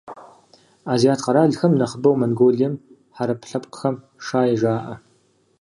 Азиат къэралхэм, нэхъыбэу Монголием, хьэрып лъэпкъхэм - «шай» жаӏэ.